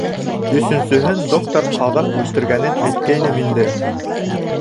Өсөнсөһөн доктор ҡаҙап үлтергәнен әйткәйнем инде.